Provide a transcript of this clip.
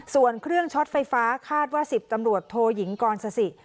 ส่วนเครื่องช็อตไฟฟ้าคาดว่า๑๐ตำรวจโทยิงกรสสิ